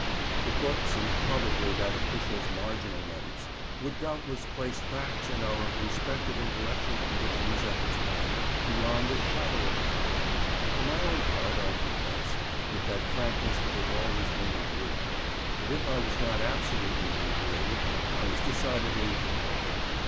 The books, and probably that official's marginal notes, would doubtless place facts and our respective intellectual conditions at the time beyond the shadow of a doubt. For my own part, I confess (with that frankness that has always been my ruin) that if I was not absolutely inebriated, I was decidedly "fresh."